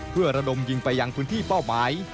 เพื่อระดมยิงไปยังพื้นที่เป้าหมาย